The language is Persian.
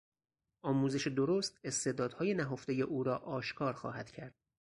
آموزش درست استعدادهای نهفتهی او را آشکار خواهد کرد.